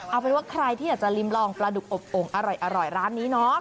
เอาเป็นว่าใครที่อยากจะริมลองปลาดุกอบโอ่งอร่อยร้านนี้เนาะ